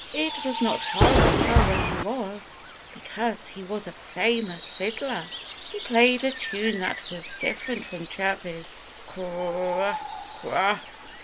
It was not hard to tell where he was, because he was a famous fiddler. He played a tune that was different from Chirpy's _cr r r i! cr r r i! cr r r i!